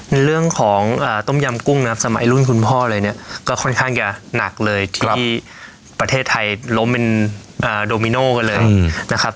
ในเรื่องของต้มยำกุ้งนะครับสมัยรุ่นคุณพ่อเลยเนี่ยก็ค่อนข้างจะหนักเลยที่ประเทศไทยล้มเป็นโดมิโนกันเลยนะครับ